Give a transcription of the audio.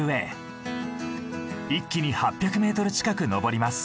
一気に８００ｍ近く登ります。